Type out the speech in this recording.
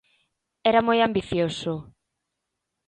Era moi ambicioso.